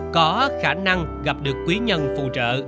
có khả năng gặp được quý nhân phụ trợ